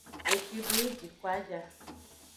Eshi do yi jiko a ja.